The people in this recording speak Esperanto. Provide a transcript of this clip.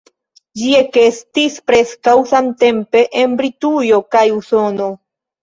Ĝi ekestis preskaŭ samtempe en Britujo kaj Usono.